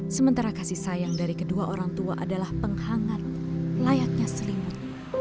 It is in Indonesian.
sementara kasih sayang dari kedua orang tua adalah penghangat layaknya selimut